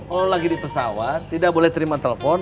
kalau lagi di pesawat tidak boleh terima telepon